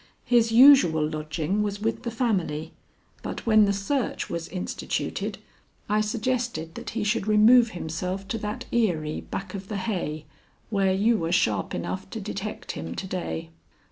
His usual lodging was with the family, but when the search was instituted, I suggested that he should remove himself to that eyrie back of the hay where you were sharp enough to detect him to day."